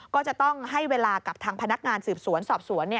ก็จะต้องให้เวลากับทางพนักงานสืบสวนสอบสวน